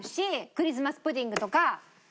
クリスマス・プディングとか。